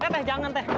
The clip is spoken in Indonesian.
teh jangan teh